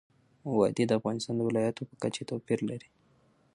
وادي د افغانستان د ولایاتو په کچه توپیر لري.